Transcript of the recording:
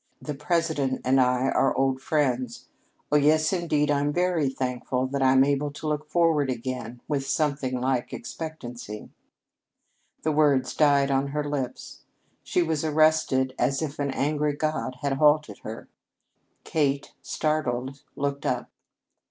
The president and I are old friends. Oh, yes, indeed, I'm very thankful that I'm able to look forward again with something like expectancy " The words died on her lips. She was arrested as if an angry god had halted her. Kate, startled, looked up.